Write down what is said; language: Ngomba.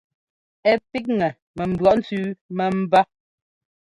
Ɛ píkŋɛ mɛ mbʉɔʼ ntsẅí mɛmbá.